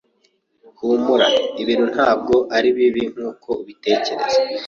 Humura! Ibintu ntabwo ari bibi nkuko ubitekereza.